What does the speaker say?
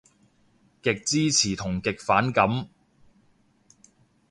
極支持同極反感